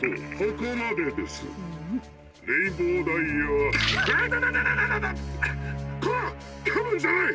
こらかむんじゃない！